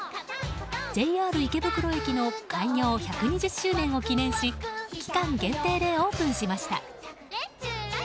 ＪＲ池袋駅の開業１２０周年を記念し期間限定でオープンしました。